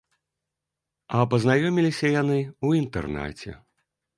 А пазнаёміліся яны ў інтэрнаце.